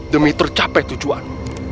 demi tercapai tujuan